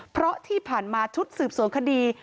เพราะที่ผ่านมาชุดสืบสวนคดี